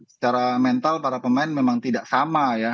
secara mental para pemain memang tidak sama ya